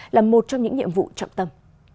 là một trong những nhiệm vụ trọng tâm